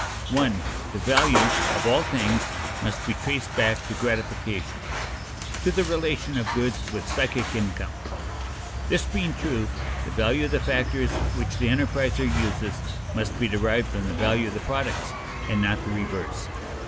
_ The value of all things must be traced back to gratification, to the relation of goods with psychic income. This being true, the value of the factors which the enterpriser uses must be derived from the value of the products, and not the reverse.